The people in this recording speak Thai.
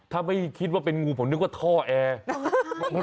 ถ้าไม่คิดว่าเป็นงูผมนึกว่าท่อแอร์